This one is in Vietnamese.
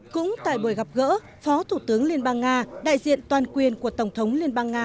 cũng tại buổi gặp gỡ phó thủ tướng liên bang nga đại diện toàn quyền của tổng thống liên bang nga